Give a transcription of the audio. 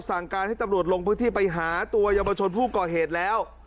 สั่งการให้ตำรวจลงพื้นที่ไปหาตัวเยาวชนผู้ก่อเหตุแล้ว